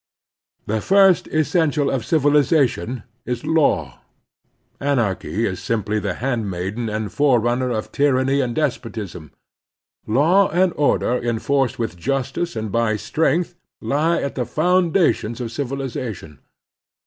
The first essential of civiUzation is law. Anarchy is simply the handmaiden and fore runner of tyranny and despotism. Law and order enforced with justice and by strength lie at the foundations of civilization.